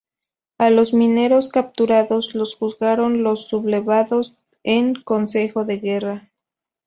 A los mineros capturados los juzgaron los sublevados en consejo de guerra.